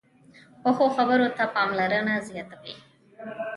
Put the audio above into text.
پخو خبرو ته پاملرنه زیاته وي